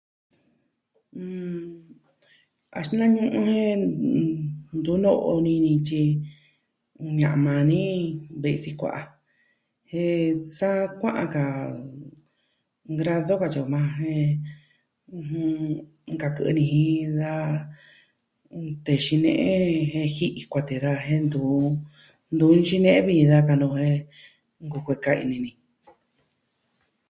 Nn.. a xinaña'nu jeen, ntunoo ni ni tyi, ña'an maa ni ve'i sikua'a jen sa kua'an ka grado katyi o maa jen, nkakɨ ini jin da tee xine'e jen ji'i kuatee da jen ntu... ntu tyinei vi da ka nuku e, nkukueka ini ni.